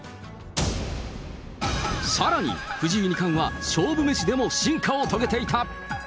さらに、藤井二冠は勝負メシでも進化を遂げていた。